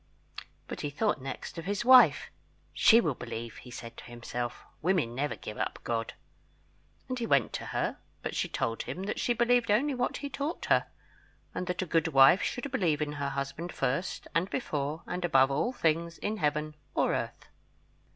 But he thought next of his wife. "She will believe," he said to himself; "women never give up God." And he went to her; but she told him that she believed only what he taught her, and that a good wife should believe in her husband first and before and above all things in Heaven or earth.